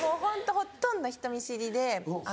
ほとんど人見知り？